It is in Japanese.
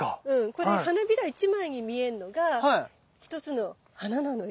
これ花びら１枚に見えんのが一つの花なのよ。